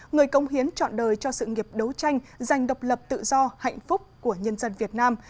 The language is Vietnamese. người công hiến chọn đời cho sự nghiệp đấu tranh giành độc lập tự do hạnh phúc của nhân dân việt nam